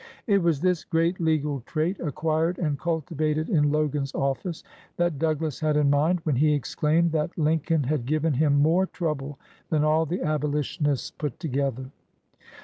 It was this great legal trait, acquired and cultivated in Logan's office, that Douglas had in mind when he exclaimed that "Lincoln had given him more trouble than all the Abolitionists put together."